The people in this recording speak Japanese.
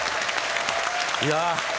いや。